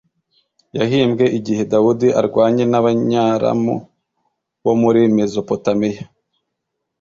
Yahimbwe igihe Dawudi arwanye n’Abanyaramu bo muri Mezopotamiya